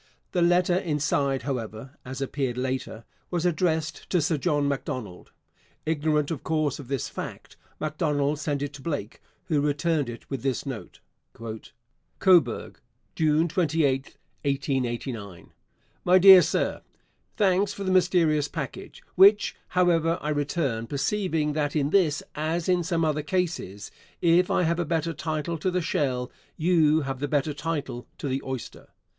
The letter inside, however, as appeared later, was addressed to Sir John Macdonald. Ignorant, of course, of this fact, Macdonald sent it to Blake, who returned it with this note: COBOURG, June 28_th_, 1889. MY DEAR SIR, Thanks for the mysterious package, which, however, I return, perceiving that in this, as in some other cases, if I have a better title to the shell, you have the better title to the oyster.